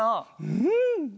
うん！